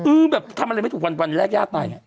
เออทำอะไรไม่ถูกวันแรกเจ้าตาย